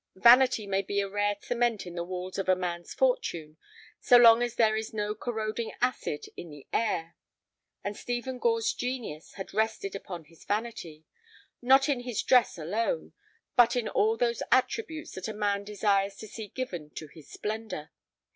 Vanity may be a rare cement in the walls of a man's fortune so long as there is no corroding acid in the air. And Stephen Gore's genius had rested upon his vanity, not in his dress alone, but in all those attributes that a man desires to see given to his splendor.